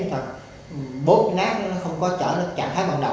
chúng ta bóp nát nó không có trở lại trạng thái ban đầu